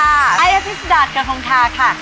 ไอ้อภิษฎาจกรของท่าค่ะ